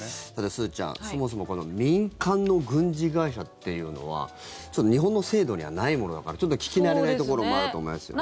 すずちゃん、そもそもこの民間の軍事会社っていうのは日本の制度にはないものだからちょっと聞き慣れないところもあると思いますけどね。